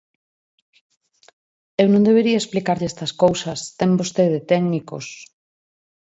Eu non debería explicarlle estas cousas, ten vostede técnicos.